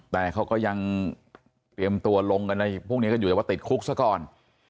แต่เขาก็ยังเตรียมตัวลงกันอะไรพวกนี้กันอยู่แต่ว่าติดคุกซะก่อน